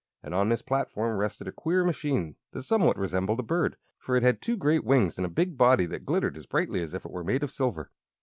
And on this platform rested a queer machine that somewhat resembled a bird, for it had two great wings and a big body that glittered as brightly as if it were made of silver.